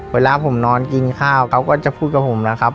เวลาผมนอนกินข้าวเขาก็จะพูดกับผมแล้วครับ